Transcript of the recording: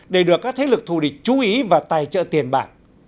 để được các thế lực thù địch chú ý và tài trợ tiền bạc